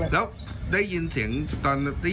แล้วได้ยินเสียงดังไหม